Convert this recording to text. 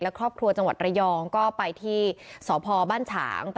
และครอบครัวจังหวัดระยองก็ไปที่สพบ้านฉาง